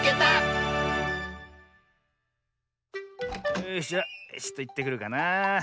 よしじゃちょっといってくるかなあ。